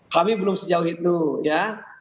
kami belum sejauh itu ya